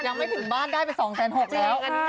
ยังไม่ถึงบ้านได้ไป๒๖๐๐แล้ว